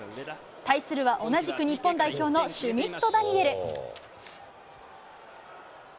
対するは同じく日本代表のシュミット・ダニエル。